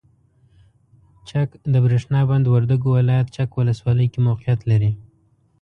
چک دبریښنا بند وردګو ولایت چک ولسوالۍ کې موقعیت لري.